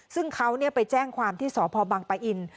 ซึ่งเขาไปแจ้งความที่สพบังปะอิน